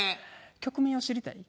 曲名を知りたい？